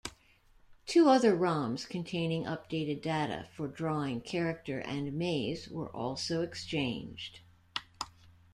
Two other roms containing updated data for drawing character and maze were also exchanged.